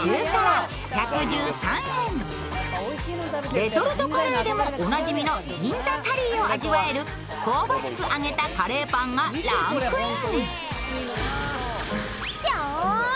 レトルトカレーでもおなじみの銀座カリーを味わえる香ばしく揚げたカレーパンがランクイン。